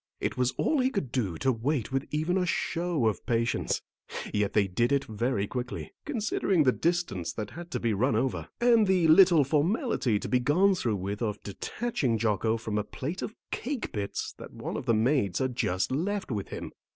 It was all he could do to wait with even a show of patience, yet they did it very quickly, considering the distance that had to be run over, and the little formality to be gone through with of detaching Jocko from a plate of cake bits that one of the maids had just left with him.